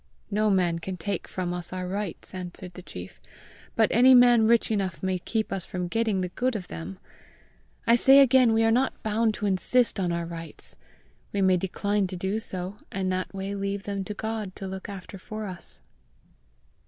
"No man can take from us our rights," answered the chief, "but any man rich enough may keep us from getting the good of them. I say again we are not bound to insist on our rights. We may decline to do so, and that way leave them to God to look after for us."